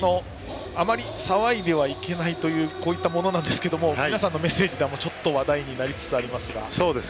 あまり騒いではいけないというこういったものなんですが皆さんのメッセージではちょっと話題になりつつありますが。